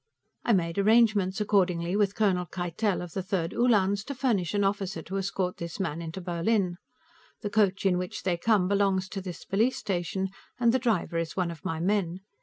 I made arrangements, accordingly, with Colonel Keitel, of the Third Uhlans, to furnish an officer to escort this man into Berlin. The coach in which they come belongs to this police station, and the driver is one of my men.